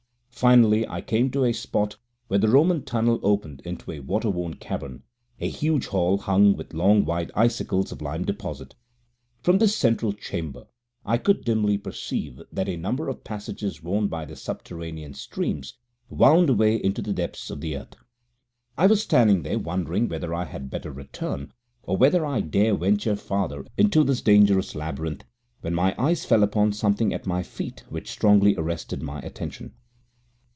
Finally, I came to a spot where the Roman tunnel opened into a water worn cavern a huge hall, hung with long white icicles of lime deposit. From this central chamber I could dimly perceive that a number of passages worn by the subterranean streams wound away into the depths of the earth. I was standing there wondering whether I had better return, or whether I dare venture farther into this dangerous labyrinth, when my eyes fell upon something at my feet which strongly arrested my attention.